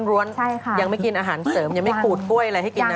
ใช่ค่ะบ๊วยยังไม่กินอาหารเสริมยังไม่กรูดก้วยอะไรให้กินนะ